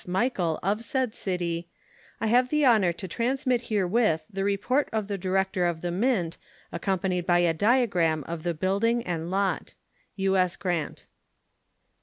Michel, of said city, I have the honor to transmit herewith the report of the Director of the Mint, accompanied by a diagram of the building and lot. U.S. GRANT.